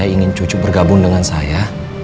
saya ingin cucu bergabung dengan saya